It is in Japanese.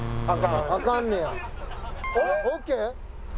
あかんねや。